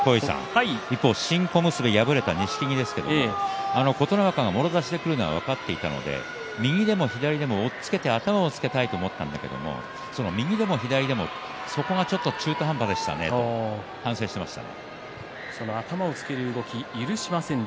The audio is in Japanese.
新小結に敗れた錦木ですが琴ノ若がもろ差しでくるのを分かっていたので右でも左でも押っつけて頭をつけたいと思ったけど右でも左でもそこがちょっと中途半端でしたねと反省していました。